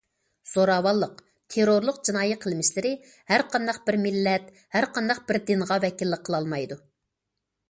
زوراۋانلىق، تېررورلۇق جىنايى قىلمىشلىرى ھەر قانداق بىر مىللەت، ھەر قانداق بىر دىنغا ۋەكىللىك قىلالمايدۇ.